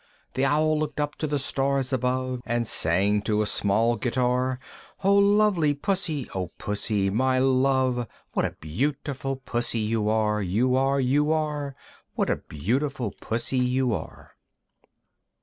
The Owl looked up to the stars above, And sang to a small guitar, "O lovely Pussy! O Pussy, my love, What a beautiful Pussy you are, You are, You are! What a beautiful Pussy you are!"